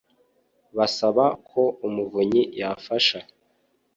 basaba ko Umuvunyi yabafasha